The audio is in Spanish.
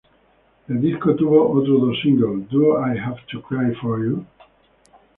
El disco tuvo otros dos singles, ""Do I Have to Cry for You?